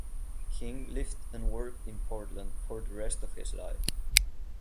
King lived and worked in Portland for the rest of his life.